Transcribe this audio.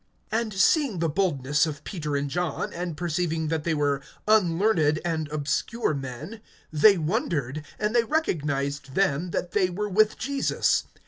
(13)And seeing the boldness of Peter and John, and perceiving that they were unlearned and obscure men, they wondered; and they recognized them, that they were with Jesus.